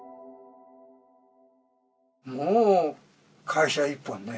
もう会社一本ね。